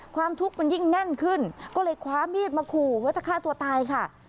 ความทุกข์มันยิ่งแน่นขึ้นก็เลยคว้ามีดมาขู่ว่าจะฆ่าตัวตายค่ะ